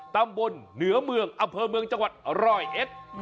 ตำบลเหนือเมืองอำเภอเมืองจังหวัดร้อยเอ็ด